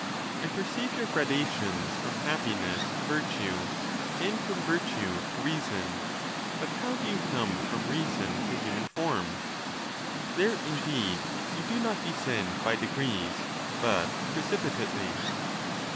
I per ceive your gradations from happiness to virtue, and from virtue to reason ; but how do you come from reason to human form ? There, indeed, you do not descend by de grees, but precipitately.